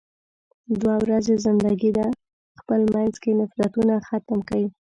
دوه ورځې زندګی ده، خپل مينځ کې نفرتونه ختم کې.